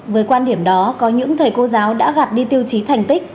với quan điểm đó có những thầy cô giáo đã gạt đi tiêu chí thành tích